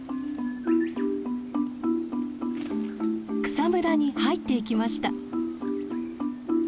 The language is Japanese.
草むらに入っていきました。